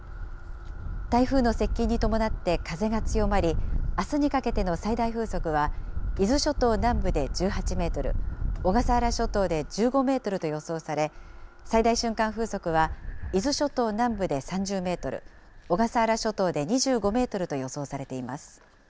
台風の接近に伴って風が強まり、あすにかけての最大風速は、伊豆諸島南部で１８メートル、小笠原諸島で１５メートルと予想され、最大瞬間風速は、伊豆諸島南部で３０メートル、小笠原諸島で２５メートルと予想されています。